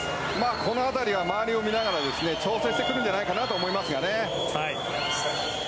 この辺りは周りを見ながら調整してくるんじゃないかと思いますがね。